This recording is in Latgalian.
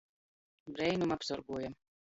Breinumu apsorguoja.